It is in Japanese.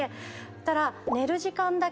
そしたら。